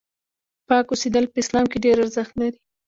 پاک اوسېدل په اسلام کې ډېر ارزښت لري.